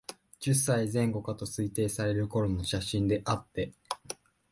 十歳前後かと推定される頃の写真であって、